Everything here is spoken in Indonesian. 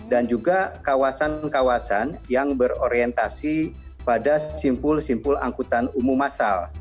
dan juga kawasan kawasan yang berorientasi pada simpul simpul angkutan sepeda